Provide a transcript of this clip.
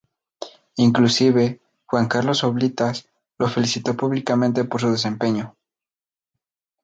Inclusive, Juan Carlos Oblitas lo felicitó públicamente por su desempeño.